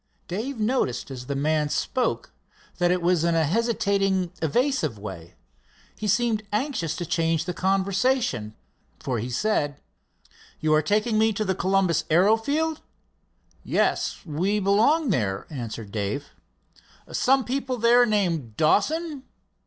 Dave noticed as the man spoke that it was in a hesitating, evasive way. He seemed anxious to change the conversation, for he said: "You are taking me to the Columbus aero field?" "Yes, we belong there," answered Dave. "Some people there named Dawson?"